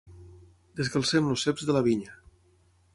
Descalcem els ceps de la vinya.